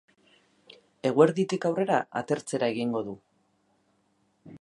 Eguerditik aurrera atertzera egingo du.